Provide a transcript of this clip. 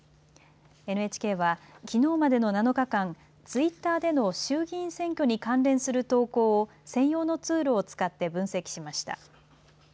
ＮＨＫはきのうまでの７日間ツイッターでの衆議院選挙に関連する投稿を専用のツールを使って分析しました。